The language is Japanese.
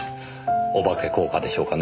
おばけ効果でしょうかね